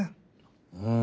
うん。